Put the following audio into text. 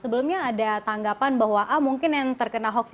sebenarnya ada tanggapan bahwa mungkin yang terkena hoax ini orang itu